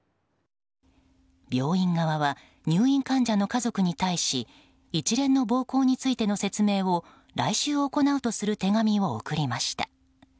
病院側は入院患者の家族に対し一連の暴行についての説明を来週行うとする手紙を送りました。